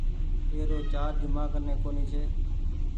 ايرو چآرج مآ ڪني ڪونيٚ ڇي۔